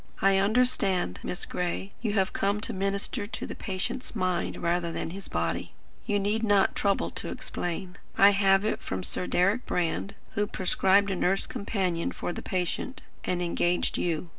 "I understand, Miss Gray, you have come to minister to the patient's mind rather than to his body. You need not trouble to explain. I have it from Sir Deryck Brand, who prescribed a nurse companion for the patient, and engaged you.